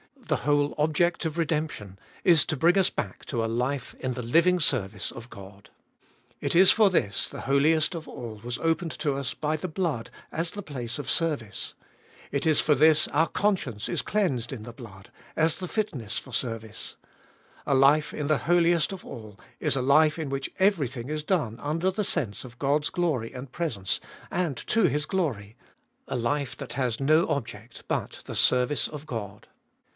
The whole object of redemption is to bring us back to a life in the living service of God. It is for this the Holiest of All was opened to us by the blood as the place of service. It is for this our conscience is cleansed in the blood, as the fitness for service. A life in the Holiest of All is a life in which everything is done under the sense of God's glory and presence, and to His glory ; a life that has no object but the service of God.